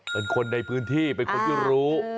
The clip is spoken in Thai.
เป็นคนในพื้นที่เป็นคนที่รู้